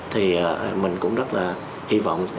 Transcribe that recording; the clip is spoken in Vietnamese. thì mình cũng rất là hy vọng